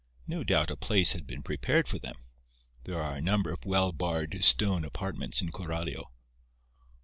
No doubt a place had been prepared for them. There are a number of well barred stone apartments in Coralio.